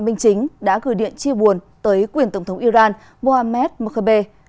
thanh chính đã gửi điện chia buồn tới quyền tổng thống iran mohamed mokhebe